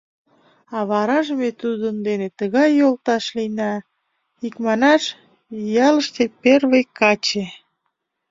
А вараже ме тудын дене тугай йолташ лийна, — икманаш, ялыште первый каче!